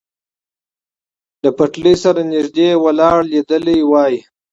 له پټلۍ سره نږدې ولاړ لیدلی وای.